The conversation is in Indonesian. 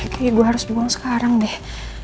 kayaknya gue harus buang sekarang deh